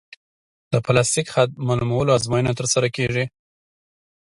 د پلاستیک حد معلومولو ازموینه ترسره کیږي